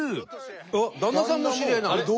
あっ旦那さんも知り合いなの？